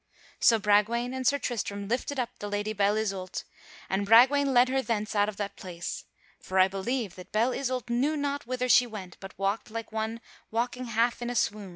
So Bragwaine and Sir Tristram lifted up the Lady Belle Isoult, and Bragwaine led her thence out of that place; for I believe that Belle Isoult knew not whither she went but walked like one walking half in a swoon.